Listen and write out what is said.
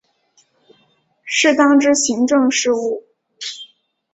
适当之行政事务